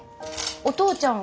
お父ちゃんは？